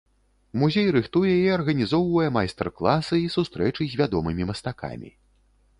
Музей рыхтуе і арганізоўвае майстар-класы і сустрэчы з вядомымі мастакамі.